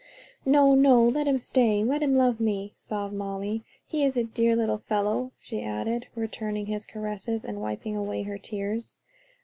"No, no! let him stay; let him love me," sobbed Molly. "He is a dear little fellow," she added, returning his caresses, and wiping away her tears.